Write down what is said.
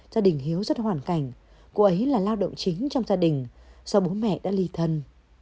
gia đình hiếu rất hoàn cảnh cô ấy là lao động chính trong gia đình do bố mẹ đã ly thân